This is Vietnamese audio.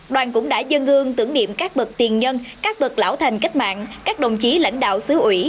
đoàn cũng đã dân hương tưởng niệm các bậc tiền nhân các bậc lão thành cách mạng các đồng chí lãnh đạo xứ ủy